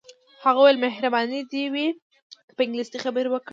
هغه وویل مهرباني به دې وي که په انګلیسي خبرې وکړې.